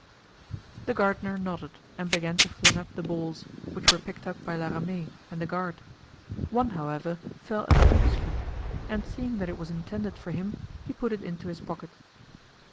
The gardener nodded and began to fling up the balls, which were picked up by La Ramee and the guard. One, however, fell at the duke's feet, and seeing that it was intended for him, he put it into his pocket.